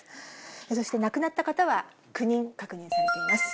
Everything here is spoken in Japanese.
そして亡くなった方は９人確認されています。